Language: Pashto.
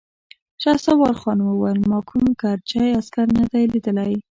شهسوارخان وويل: ما کوم ګرجۍ عسکر نه دی ليدلی!